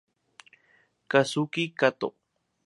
Kazuki Katō